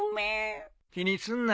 気にすんな。